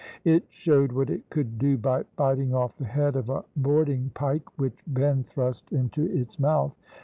It showed what it could do by biting off the head of a boarding pike, which Ben thrust into its mouth.